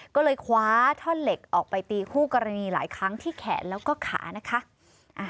ก็เลยคว้าท่อนเหล็กออกไปตีคู่กรณีหลายครั้งที่แขนแล้วก็ขานะคะ